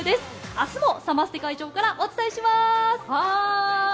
明日もサマステ会場からお伝えします。